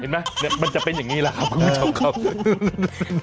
มันจะเป็นอย่างนี้แหละครับคุณผู้ชมครับ